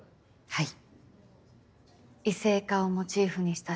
はい。